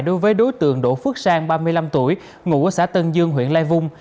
đối với đối tượng đỗ phước sang ba mươi năm tuổi ngụ ở xã tân dương huyện lai vung